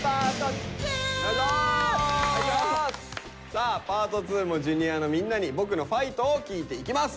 さあ「パート２」もＪｒ．のみんなに「僕のファイト」を聞いていきます。